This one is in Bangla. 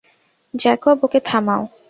জ্যাকব, ওকে থামাও!